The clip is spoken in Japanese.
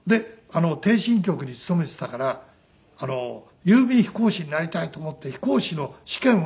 逓信局に勤めてたから郵便飛行士になりたいと思って飛行士の試験を受けたんです。